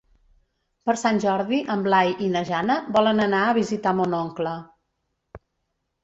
Per Sant Jordi en Blai i na Jana volen anar a visitar mon oncle.